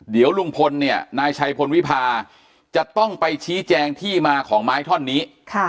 เดี๋ยวลุงพลเนี่ยนายชัยพลวิพาจะต้องไปชี้แจงที่มาของไม้ท่อนนี้